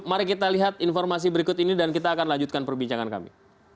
mari kita lihat informasi berikut ini dan kita akan lanjutkan perbincangan kami